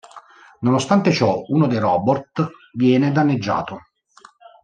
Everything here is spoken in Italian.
Nonostante ciò, uno dei robot viene danneggiato.